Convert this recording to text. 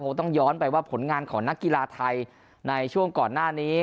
คงต้องย้อนไปว่าผลงานของนักกีฬาไทยในช่วงก่อนหน้านี้